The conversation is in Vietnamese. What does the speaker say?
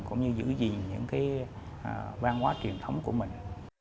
cũng như giữ gìn những cái văn hóa truyền thống của mình